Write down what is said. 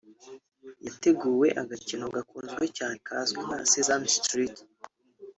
yateguwe agakino gakunzwe cyane kazwi nka Sesame Street